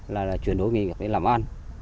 là chuyển đổi nghề nghiệp để làm ăn